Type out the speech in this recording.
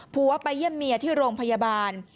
ผัวไปเยี่ยมเมียที่โรงพยาบาล